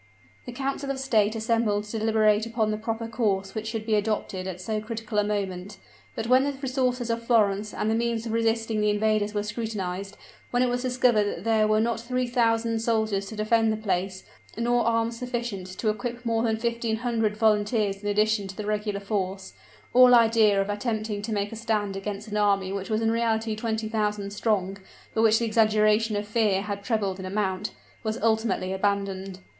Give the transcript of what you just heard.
The council of state assembled to deliberate upon the proper course which should be adopted at so critical a moment; but when the resources of Florence and the means of resisting the invaders were scrutinized, when it was discovered that there were not three thousand soldiers to defend the place, nor arms sufficient to equip more than fifteen hundred volunteers in addition to the regular force, all idea of attempting to make a stand against an army which was in reality twenty thousand strong, but which the exaggerations of fear had trebled in amount, was ultimately abandoned.